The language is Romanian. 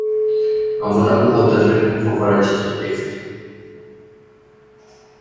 Am votat cu hotărâre în favoarea acestui text.